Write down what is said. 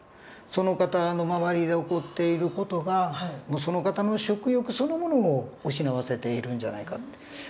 その方の周りで起こっている事がその方の食欲そのものを失わせているんじゃないかって。